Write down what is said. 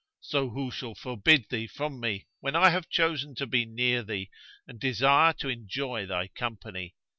So who shall forbid thee from me when I have chosen to be near thee and desire to enjoy thy company?